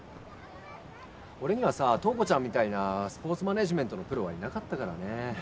俺にはさ塔子ちゃんみたいなスポーツマネージメントのプロはいなかったからね